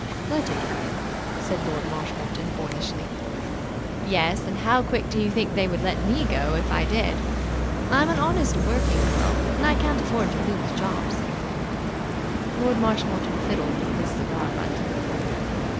"Let it go!" said Lord Marshmoreton boyishly. "Yes, and how quick do you think they would let me go, if I did? I'm an honest working girl, and I can't afford to lose jobs." Lord Marshmoreton fiddled with his cigar butt.